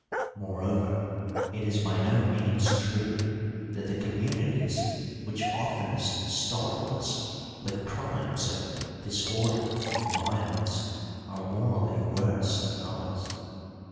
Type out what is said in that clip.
Moreover, it is by no means true that the communities which oftenest startle us with crimes of disorder and violence are morally worse than others.